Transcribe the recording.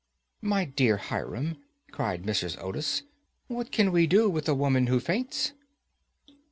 "My dear Hiram," cried Mrs. Otis, "what can we do with a woman who faints?"